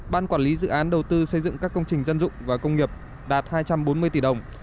ban quản lý dự án đầu tư xây dựng các công trình dân dụng và công nghiệp đạt hai trăm bốn mươi tỷ đồng